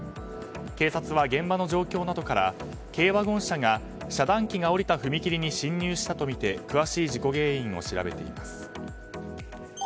警察は現場の状況などから軽ワゴン車が遮断機が下りた踏切に進入したとみて詳しい事故原因を調べています。